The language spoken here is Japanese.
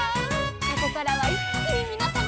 「ここからはいっきにみなさまを」